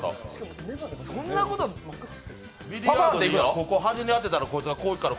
ここ、端に当てたら、ここにこう行くから。